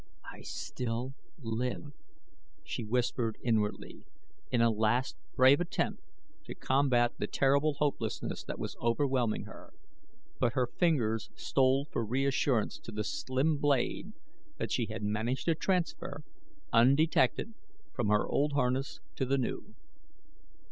"I still live!" she whispered inwardly in a last brave attempt to combat the terrible hopelessness that was overwhelming her, but her fingers stole for reassurance to the slim blade that she had managed to transfer, undetected, from her old harness to the new.